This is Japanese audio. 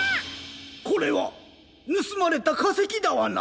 これはぬすまれたかせきダワナ！